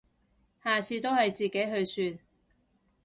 下次都係自己去算